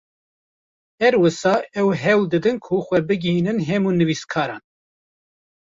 Her wisa em hewl didin ku xwe bigihînin hemû nivîskaran